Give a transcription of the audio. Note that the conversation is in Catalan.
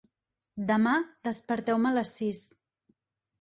Demà desperteu-me a les sis.